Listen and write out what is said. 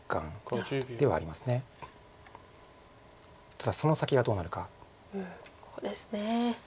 ただその先がどうなるか。ですね。